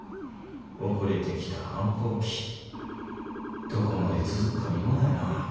遅れてきた反抗期どこまで続くか見ものやな。